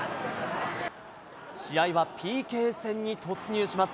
試合はＰＫ戦に突入します。